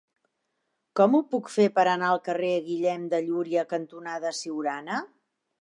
Com ho puc fer per anar al carrer Guillem de Llúria cantonada Siurana?